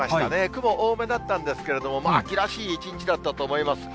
雲多めだったんですけれども、秋らしい一日だったと思います。